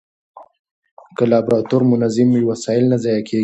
که لابراتوار منظم وي، وسایل نه ضایع کېږي.